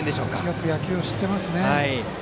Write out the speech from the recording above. よく野球を知っていますね。